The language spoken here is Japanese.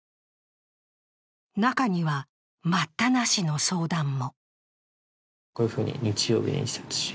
中には、待ったなしの相談も。